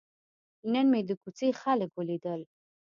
نن مې د کوڅې خلک ولیدل.